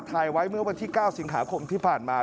ถ่ายไว้เมื่อวันที่๙สิงหาคมที่ผ่านมา